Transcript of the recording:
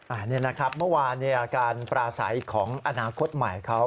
อันนี้นะครับเมื่อวานการปราศัยของอนาคตใหม่เขา